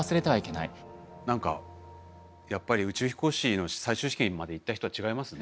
何かやっぱり宇宙飛行士の最終試験まで行った人は違いますね。